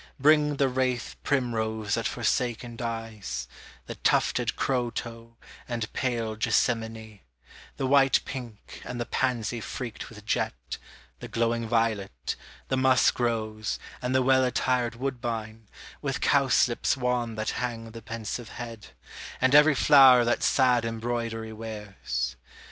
Bring the rathe primrose that forsaken dies, The tufted crow toe, and pale jessamine, The white pink, and the pansy freaked with jet, The glowing violet, The musk rose, and the well attired woodbine, With cowslips wan that hang the pensive head, And every flower that sad embroidery wears.